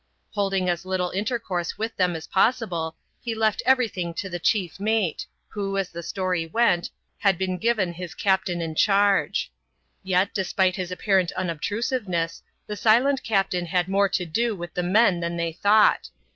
Holding as little intercourse with them as possible, he left every thing to the chief mate, who, as the story went, had been given his captain in charge. Yet, despite his apparent onobtrusiveness, the silent captain had more to do with the men than they thought.